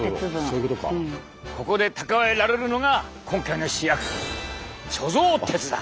ここで蓄えられるのが今回の主役貯蔵鉄だ！